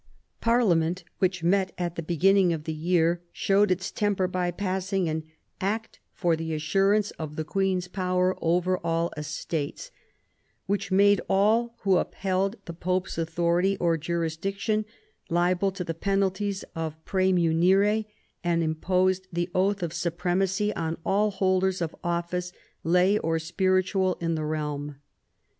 Parliament, which met at the beginning of the year, showed its temper by passing an " Act for the Assurance of the Queen's Power over all Estates," which made all who upheld the Pope's authority or jurisdiction liable to the penalties of praemunire, and imposed the oath of Supremacy on all holders of office, lay or spiritual, in the realm.